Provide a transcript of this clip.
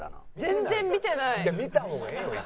「全然見てない」「見た方がええよ」